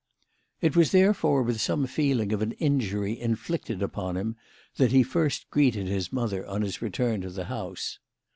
It was, therefore, with some feeling of an injury inflicted upon him that he first greeted his mother on his return to the house.